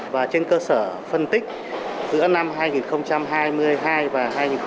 và trên cơ sở phân tích giữa năm hai nghìn hai mươi hai và hai nghìn hai mươi ba